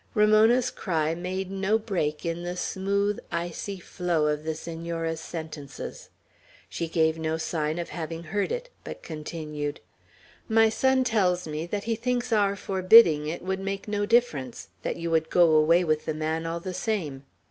Ramona's cry made no break in the smooth, icy flow of the Senora's sentences. She gave no sign of having heard it, but continued: "My son tells me that he thinks our forbidding it would make no difference; that you would go away with the man all the same.